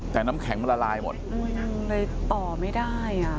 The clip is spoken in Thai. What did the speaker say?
แต่น้ำแข็งมันละลายหมดเลยต่อไม่ได้อ่ะ